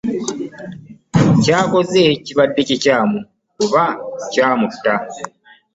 Ky'akoze kibadde kimukubya kumutta?